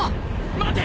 待て！